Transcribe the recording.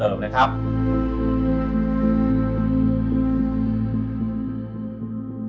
โปรดติดตามตอนต่อไป